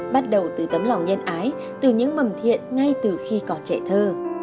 bắt đầu từ tấm lòng nhân ái từ những mầm thiện ngay từ khi còn trẻ thơ